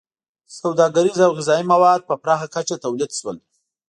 • سوداګریز او غذایي مواد په پراخه کچه تولید شول.